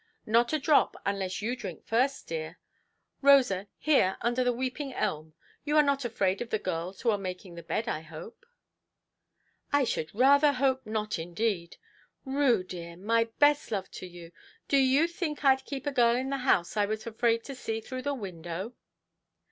"Not a drop, unless you drink first, dear. Rosa, here under the weeping elm: you are not afraid of the girls who are making the bed, I hope"! "I should rather hope not, indeed! Rue, dear, my best love to you. Do you think Iʼd keep a girl in the house I was afraid to see through the window"?